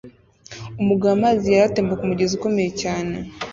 Umugabo amazi yera atemba kumugezi ukomeye cyane